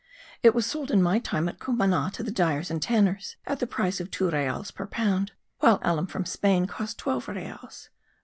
It was sold in my time at Cumana to the dyers and tanners, at the price of two reals* per pound, while alum from Spain cost twelve reals.